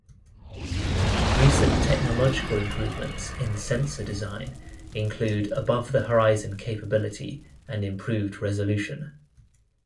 Recent technological improvements in sensor design include above-the-horizon capability and improved resolution.